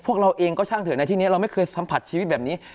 เราเองก็ช่างเถอะในที่นี้เราไม่เคยสัมผัสชีวิตแบบนี้